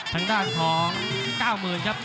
ทางด้านของ๙๐๐๐ครับ